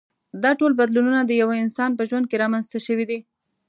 دا ټول بدلونونه د یوه انسان په ژوند کې رامنځته شوي دي.